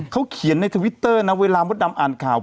เขาเขียนในทวิตเตอร์นะเวลามดดำอ่านข่าว